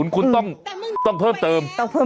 คุณต้องเพิ่มเติม